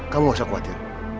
kamu nggak usah khawatir